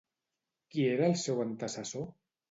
Qui era el seu antecessor?